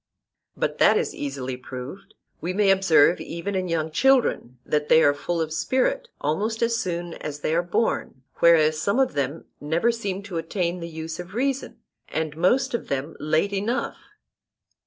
But that is easily proved:—We may observe even in young children that they are full of spirit almost as soon as they are born, whereas some of them never seem to attain to the use of reason, and most of them late enough.